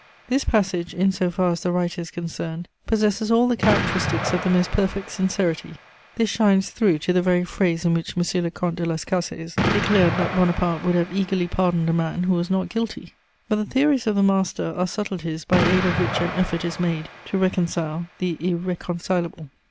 This passage, in so far as the writer is concerned, possesses all the characteristics of the most perfect sincerity; this shines through to the very phrase in which M. le Comte de Las Cases declared that Bonaparte would have eagerly pardoned a man who was not guilty. But the theories of the master are subtleties by aid of which an effort is made to reconcile the irreconcilable.